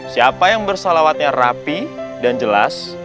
siapa yang bersalawatnya rapi dan jelas